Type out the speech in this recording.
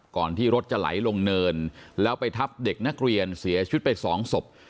ที่รถจะไหลลงเนินแล้วไปทับเด็กนักเรียนเสียชีวิตไปสองศพ